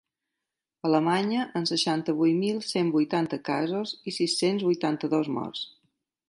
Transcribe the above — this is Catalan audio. Alemanya, amb seixanta-vuit mil cent vuitanta casos i sis-cents vuitanta-dos morts.